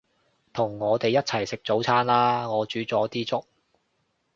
同我哋一齊食早餐啦，我煮咗啲粥